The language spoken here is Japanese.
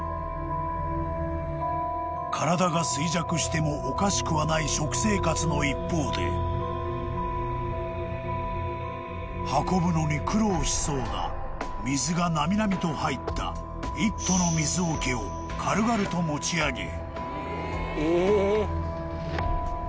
［体が衰弱してもおかしくはない食生活の一方で運ぶのに苦労しそうな水がなみなみと入った一斗の水おけを軽々と持ち上げ］